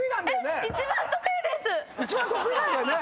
一番得意なんだよね？